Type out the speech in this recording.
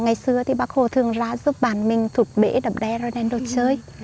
ngày xưa thì bác hồ thường ra giúp bản mình thụt bể đập đe rồi đen đồ chơi